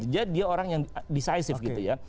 jadi dia orang yang decisif gitu ya